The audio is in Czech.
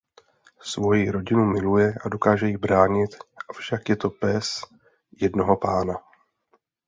Svoji rodinu miluje a dokáže ji bránit avšak je to pes jednoho pána.